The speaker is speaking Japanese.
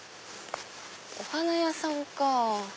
お花屋さんか。